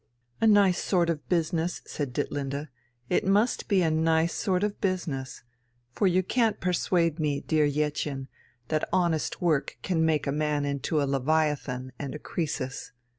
'" "A nice sort of business," said Ditlinde, "it must be a nice sort of business! For you can't persuade me, dear Jettchen, that honest work can make a man into a Leviathan and a Croesus.